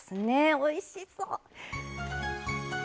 おいしそう！